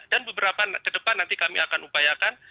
dan beberapa ke depan nanti kami akan upayakan